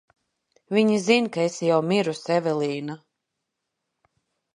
Viņi zin, ka esi jau mirusi, Evelīna!